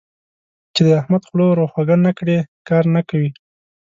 چې د احمد خوله ور خوږه نه کړې؛ کار نه کوي.